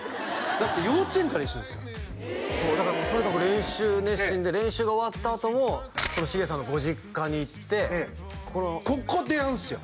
だって幼稚園から一緒ですからそうだからとにかく練習熱心で練習が終わったあともしげさんのご実家に行ってここのここでやるんすよ